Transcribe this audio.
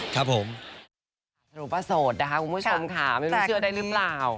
ก็ยังส่งเหมือนเดิมนะคะ